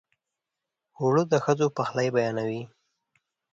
اوړه د ښځو پخلی بیانوي